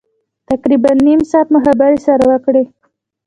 تقریبا نیم ساعت مو خبرې سره وکړې.